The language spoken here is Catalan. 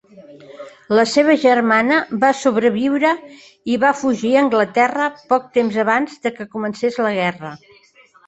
La seva germana va sobreviure i va fugir a Anglaterra poc temps abans de que comencés la guerra.